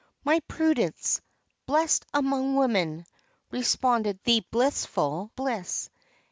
"My Prudence, blessed among women!" responded the blissful Bliss.